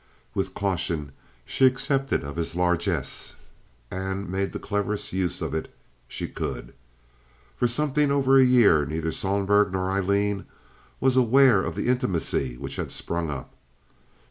With caution she accepted of his largess, and made the cleverest use of it she could. For something over a year neither Sohlberg nor Aileen was aware of the intimacy which had sprung up.